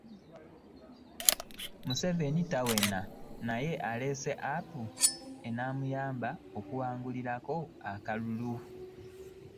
Museveni tawena, naye aleese App enaamuyamba okuwangulirako akalulu